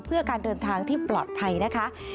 เพื่อการเดินทางที่ปลอดภัยนะคะ